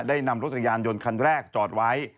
นำรถจักรยานยนต์คันแรกจอดไว้